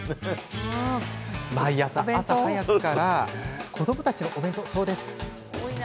毎朝、早くから子どもたちのお弁当作り。